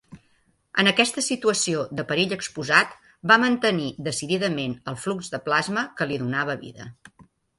En aquesta situació de perill exposat, va mantenir decididament el flux de plasma que li donava vida.